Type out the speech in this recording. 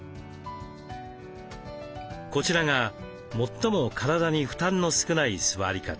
こちらが最も体に負担の少ない座り方。